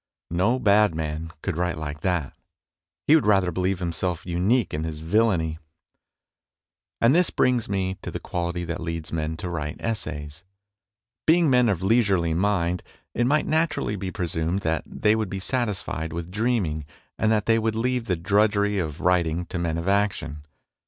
" No bad man could write like that ; he would rather believe himself unique in his villainy. 12 MONOLOGUES And this brings me to the quality that leads men to write essays. Being men of leisurely mind, it might naturally be presumed that they would be satisfied with dreaming, and that they would leave the drudgery of writ ing to men of action.